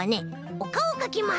おかおかきます！